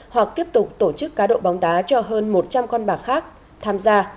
hoặc tiếp tục tổ chức cá độ bóng đá cho hơn một trăm linh con bạc khác tham gia